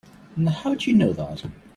Now how'd you know that?